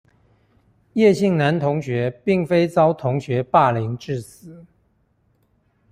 葉姓男同學並非遭同學霸凌致死